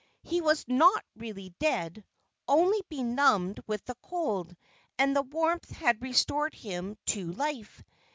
He was not really dead, only benumbed with the cold, and the warmth had restored him to life.